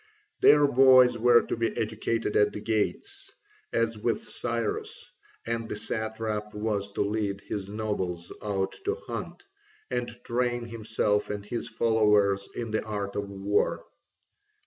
Their boys were to be educated at the gates, as with Cyrus, and the satrap was to lead his nobles out to hunt, and train himself and his followers in the art of war.